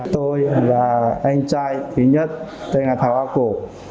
tôi là anh trai thứ nhất tên là thảo á của